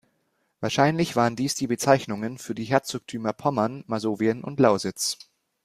Wahrscheinlich waren dies die Bezeichnungen für die Herzogtümer Pommern, Masowien und Lausitz.